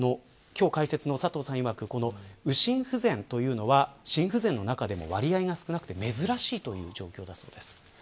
今日、解説の佐藤さんいわく右心不全というのは心不全の中でも割合が少なくて珍しい状況だそうです。